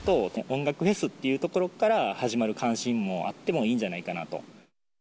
音楽フェスっていうところから始まる関心もあってもいいんじゃないかなと。